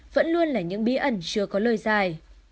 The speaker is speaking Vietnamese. vẫn luôn là những bí ẩn chưa có lời giải